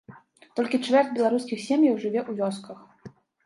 Толькі чвэрць беларускіх сем'яў жыве ў вёсках.